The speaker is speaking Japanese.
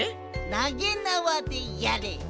なげなわでやれ。